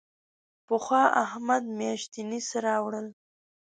پخوا احمد میاشتنی څه راوړل.